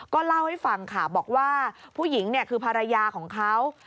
ก็เล่าให้ฟังค่ะบอกว่าผู้หญิงเนี่ยคือภรรยาของเขา